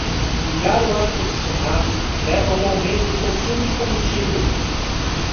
Ligar o ar condicionado leva a um aumento do consumo de combustível.